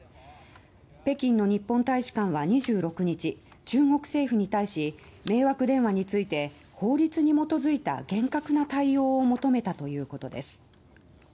北京の日本大使館は２６日中国政府に対し迷惑電話について法律に基づいた厳格な対応を求めたということです。